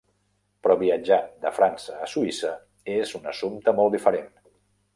Però viatjar de França a Suïssa és un assumpte molt diferent.